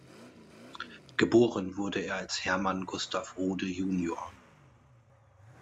Geboren wurde er als Herman Gustav Rohde jr.